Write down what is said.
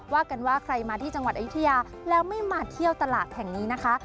ว่ากันว่าใครมาที่จังหวัดอายุทยาแล้วไม่มาเที่ยวตลาดแห่งนี้นะคะ